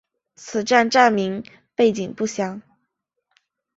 此站站名背景不详。